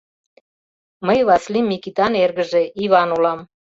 — Мый Васлий Микитан эргыже — Иван улам.